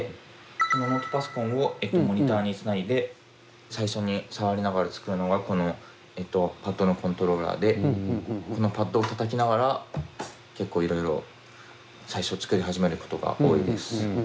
そのノートパソコンをモニターにつないで最初に触りながら作るのがパッドのコントローラーでこのパッドをたたきながら結構いろいろ最初作り始めることが多いです。